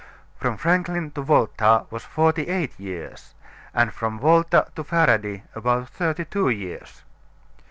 From Franklin to Volta was forty eight years, and from Volta to Faraday about thirty two years.